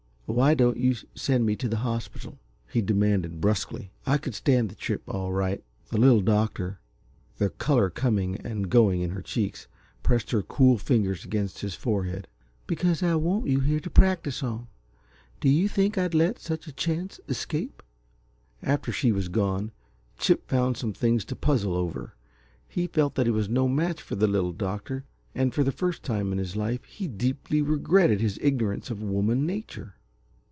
"Why don't you send me to the hospital?" he demanded, brusquely. "I could stand the trip, all right." The Little Doctor, the color coming and going in her cheeks, pressed her cool fingers against his forehead. "Because I want you here to practice on. Do you think I'd let such a chance escape?" After she was gone, Chip found some things to puzzle over. He felt that he was no match for the Little Doctor, and for the first time in his life he deeply regretted his ignorance of woman nature.